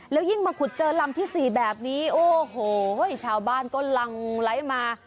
แล้วยิ่งมาขุดเจอลำที่๔แบบนี้โอ้โหชาวบ้านก็ลังไลค์มา